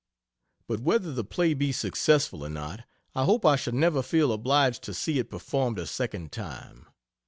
But whether the play be successful or not, I hope I shall never feel obliged to see it performed a second time.